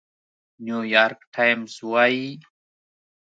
نيويارک ټايمز وايي،